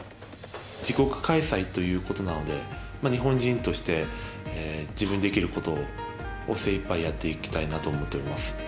自国開催ということなので日本人として自分にできることを精いっぱいやっていきたいなと思っております。